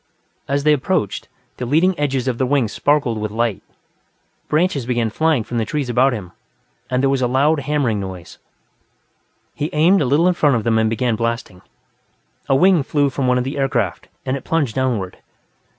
As they approached, the leading edges of their wings sparkled with light, branches began flying from the trees about him, and there was a loud hammering noise. He aimed a little in front of them and began blasting. A wing flew from one of the aircraft, and it plunged downward.